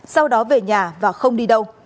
sau đó về nhà và không đi đâu